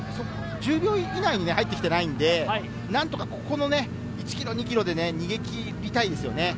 １０秒以内に入ってきていないので、何とか１ｋｍ、２ｋｍで逃げ切りたいですよね。